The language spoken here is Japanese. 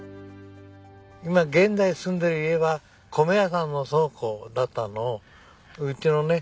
今現在住んでる家は米屋さんの倉庫だったのをうちのね